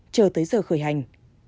chờ tới giờ khởi hành